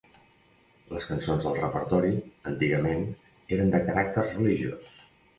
Les cançons del repertori, antigament, eren de caràcter religiós.